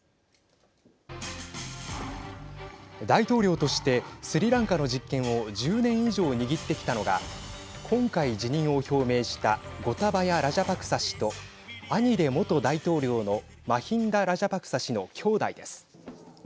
大統領としてスリランカの実権を１０年以上握ってきたのが今回辞任を表明したゴタバヤ・ラジャパクサ氏と兄で元大統領のマヒンダ・ラジャパクサ氏の兄弟です。